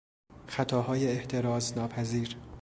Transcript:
خطاهای احتراز ناپذیر